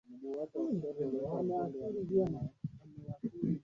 mkataba huo uliandika mwaka elfu moja mia tisa tisini na nane